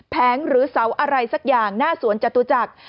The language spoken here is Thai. แงหรือเสาอะไรสักอย่างหน้าสวนจตุจักร